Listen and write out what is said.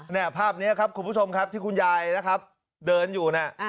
เนี่ยภาพนี้ครับคุณผู้ชมครับที่คุณยายนะครับเดินอยู่น่ะ